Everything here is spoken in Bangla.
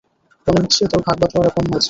মনে হচ্ছে তার ভাগ-বাঁটোয়ারা কম হয়েছে।